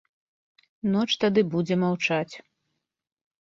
Ноч тады будзе маўчаць.